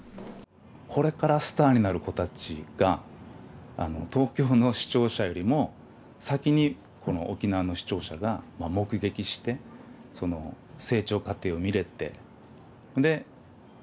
これからスターになる子たちが東京の視聴者よりも先に沖縄の視聴者が目撃して成長過程を見れてで送り出していくっていう。